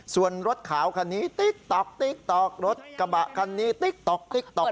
ส่วนรถขาวคันนี้ติ๊กต๊อกติ๊กต๊อกรถกระบะคันนี้ติ๊กต๊อกติ๊กต๊อก